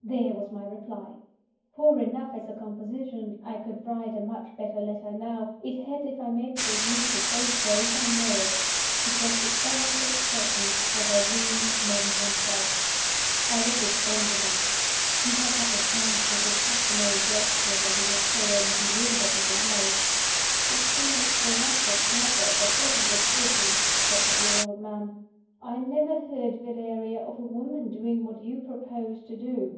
There was my reply! Poor enough as a composition (I could write a much better letter now), it had, if I may presume to say so, one merit. It was the honest expression of what I really meant and felt. I read it to Benjamin. He held up his hands with his customary gesture when he was thoroughly bewildered and dismayed. "It seems the rashest letter that ever was written," said the dear old man. "I never heard, Valeria, of a woman doing what you propose to do.